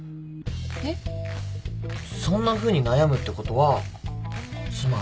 そんなふうに悩むってことはつまり。